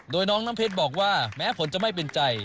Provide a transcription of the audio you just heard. โดยน้องน้ำเพชรบอกว่าแม้ผลจะไม่เป็นใจ